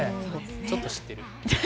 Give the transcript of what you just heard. ちょっと知ってる。